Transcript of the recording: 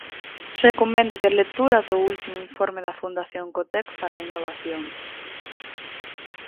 Recoméndolle a lectura do último Informe da Fundación Cotec para a innovación.